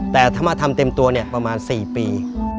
แต่ถ้ามาทำเต็มตัวเนี่ยประมาณ๔ปี